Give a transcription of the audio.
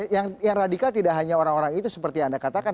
yang radikal tidak hanya orang orang itu seperti yang anda katakan